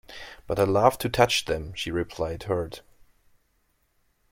“But I love to touch them,” she replied, hurt.